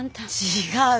違う。